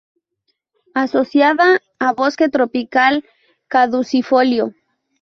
Asociada a bosque tropical caducifolio.